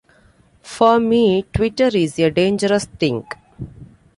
For me Twitter is a dangerous thing.